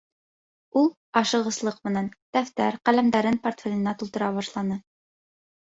Ул ашығыслыҡ менән дәфтәр, ҡәләмдәрен портфеленә тултыра башланы.